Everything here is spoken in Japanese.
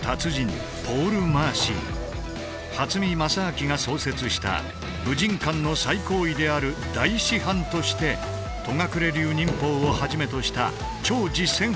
初見良昭が創設した武神館の最高位である大師範として戸隠流忍法をはじめとした超実戦派